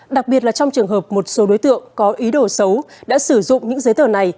đặc biệt là trong trường hợp một số đối tượng có ý đồ xấu đã sử dụng những giấy tờ này